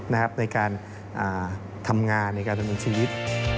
ในการทำงานในการดำเนินชีวิต